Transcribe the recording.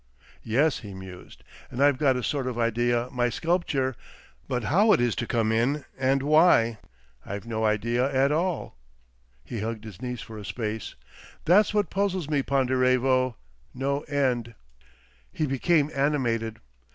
"Yes," he mused. "And I've got a sort of idea my sculpture,—but how it is to come in and why,—I've no idea at all." He hugged his knees for a space. "That's what puzzles me, Ponderevo, no end." He became animated.